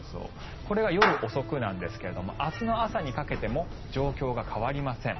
これは夜遅くなんですが明日の朝にかけても状況が変わりません。